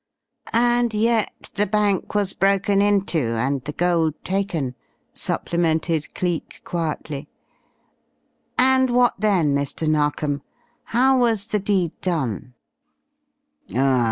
"And yet the bank was broken into, and the gold taken," supplemented Cleek quietly. "And what then, Mr. Narkom? How was the deed done?"